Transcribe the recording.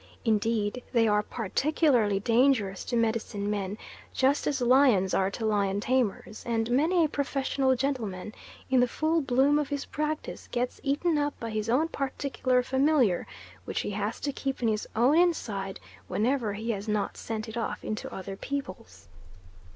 Indeed they are particularly dangerous to medicine men, just as lions are to lion tamers, and many a professional gentleman in the full bloom of his practice, gets eaten up by his own particular familiar which he has to keep in his own inside whenever he has not sent it off into other people's.